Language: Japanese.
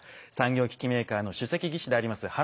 産業機器メーカーの主席技師であります